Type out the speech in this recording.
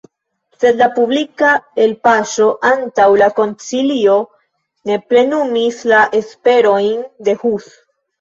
Sed la publika elpaŝo antaŭ la koncilio ne plenumis la esperojn de Hus.